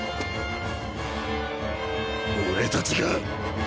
俺たちが。